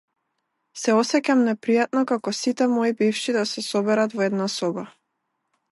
Се осеќам непријатно како сите мои бивши да се соберат во една соба.